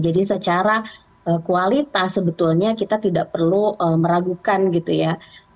jadi secara kualitas sebetulnya kita tidak perlu meragukan gitu ya